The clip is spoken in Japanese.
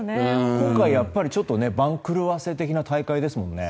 今回番狂わせ的な大会ですもんね。